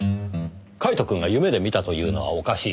カイトくんが夢で見たというのはおかしい。